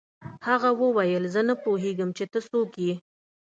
هغه وویل زه نه پوهېږم چې ته څوک یې